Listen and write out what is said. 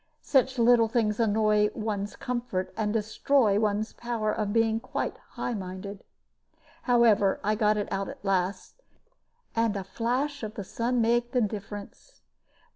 Such little things annoy one's comfort, and destroy one's power of being quite high minded. However, I got it out at last, and a flash of the sun made the difference.